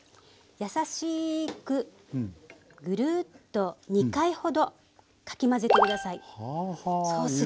優しくぐるっと２回ほどかき混ぜて下さい。